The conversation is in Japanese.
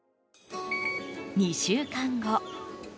２週間後。